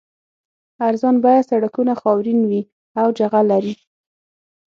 ارزان بیه سړکونه خاورین وي او جغل لري